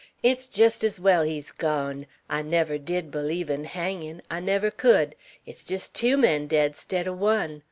It's jest's well he's gawn; I never did b'leeve in hangin'. I never could. It's jest tew men dead 'stead o' one.